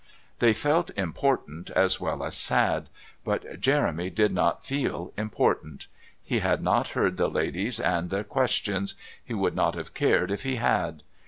They felt important as well as sad. But Jeremy did not feel important. He had not heard the ladies and their questions he would not have cared if he had.